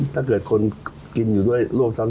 ถ้าเกิดคนกินอยู่ด้วยร่วมซ้ำ